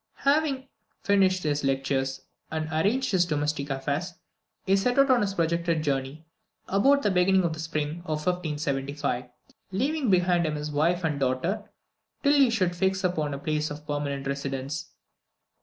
Having finished his lectures, and arranged his domestic affairs, he set out on his projected journey about the beginning of the spring of 1575, leaving behind him his wife and daughter, till he should fix upon a place of permanent residence.